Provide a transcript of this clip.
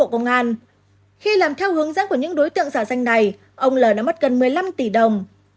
khi làm theo hướng dẫn của những đối tượng giả danh này ông l đã mất gần một mươi năm tỷ đồng